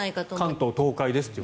関東、東海ですって。